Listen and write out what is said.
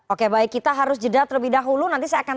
oke baik kita harus jeda terlebih dahulu nanti saya akan